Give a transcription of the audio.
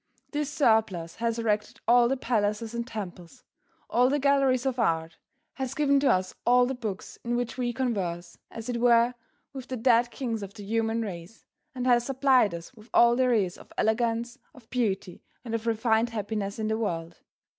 This surplus has erected all the palaces and temples, all the galleries of art, has given to us all the books in which we converse, as it were, with the dead kings of the human race, and has supplied us with all there is of elegance, of beauty and of refined happiness in the world.